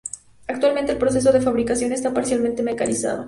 Actualmente el proceso de fabricación está parcialmente mecanizado.